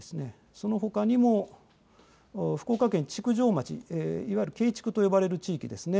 そのほかにも福岡県築上町、いわゆると呼ばれる地域ですね。